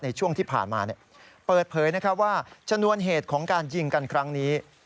ในช่วงที่ผ่านมาเปิดเผยว่าชนวนเหตุของการยิงกันครั้งนี้